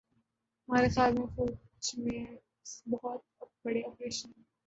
مارے خیال میں فوج میں بہت بڑے آپریشن